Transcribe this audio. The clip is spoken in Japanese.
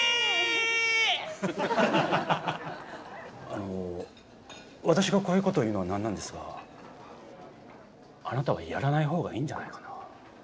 あの私がこういうこと言うのは何なんですがあなたはやらないほうがいいんじゃないかな。